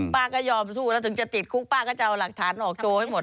ป้าก็ยอมสู้แล้วถึงจะติดคุกป้าก็จะเอาหลักฐานออกโชว์ให้หมด